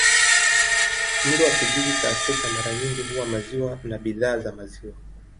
Mlo wa kijiji cha Afrika mara nyingi huwa maziwa na bidhaa za maziwa.